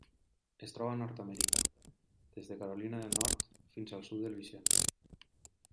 Es troba a Nord-amèrica: des de Carolina del Nord fins al sud de Louisiana.